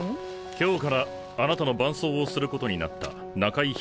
今日からあなたの伴走をすることになった中居彦一だ。